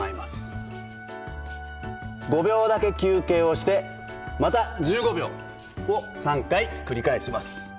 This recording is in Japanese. ５秒だけ休憩をしてまた１５秒を３回繰り返します。